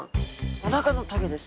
おなかの棘です。